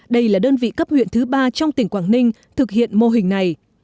đây là đơn vị cấp huyện thứ ba trong tỉnh quảng ninh thực hiện mô hình này